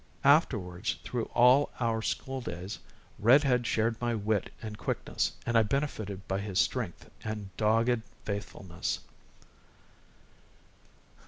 Afterwards, through all our school days, "Red Head" shared my wit and quickness and I benefited by his strength and dogged faithfulness.